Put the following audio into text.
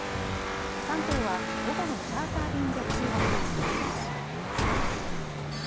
３頭は午後のチャーター便で中国へと旅立つ予定です。